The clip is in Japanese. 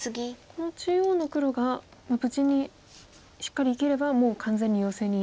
この中央の黒が無事にしっかり生きればもう完全にヨセに。